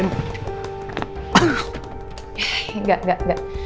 enggak enggak enggak